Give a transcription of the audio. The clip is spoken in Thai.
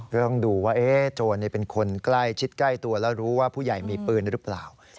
ก็ต้องดูว่าโจรเป็นคนใกล้ชิดใกล้ตัวแล้วรู้ว่าผู้ใหญ่มีปืนหรือเปล่า